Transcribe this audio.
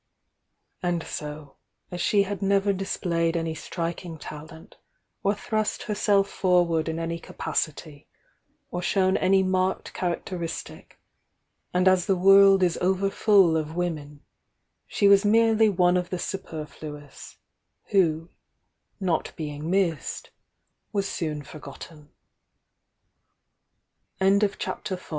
And so, as she had never displajed any striking tal ent, or thrust herself forward in any capacity, or shown any marked characteristic, and as the world is over full of women, she was merely one of the superfluous, who, not being missed, was soon for gotten. CHAPT